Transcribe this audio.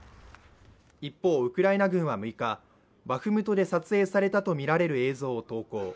一方、ウクライナ軍は６日、バフムトで撮影されたとみられる映像を投稿。